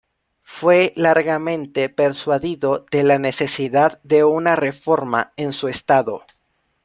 Fue largamente persuadido de la necesidad de una reforma en su estado.